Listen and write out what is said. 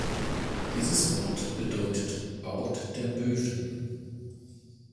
Dieses Wort bedeutet Ort der Möwen.